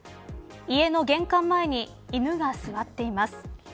家の玄関前に犬が座っています。